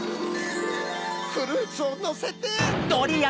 フルーツをのせて。